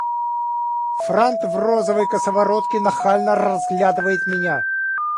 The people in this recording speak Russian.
Франт в розовой косоворотке нахально разглядывает меня.